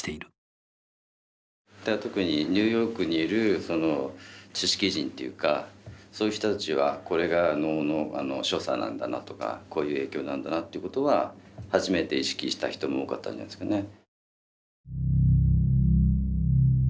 だから特にニューヨークにいるその知識人っていうかそういう人たちはこれが能の所作なんだなとかこういう影響なんだなってことは初めて意識した人も多かったんじゃないんですかね。